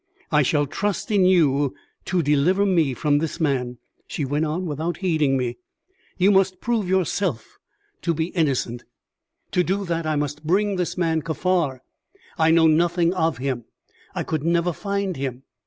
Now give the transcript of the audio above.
"I shall trust in you to deliver me from this man," she went on without heeding me. "You must prove yourself to be innocent." "To do that I must bring this man Kaffar. I know nothing of him. I could never find him.